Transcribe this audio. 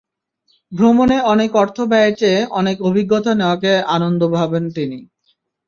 ভ্রমণে অনেক অর্থ ব্যয়ের চেয়ে অনেক অভিজ্ঞতা নেওয়াকে আনন্দ ভাবেন তিনি।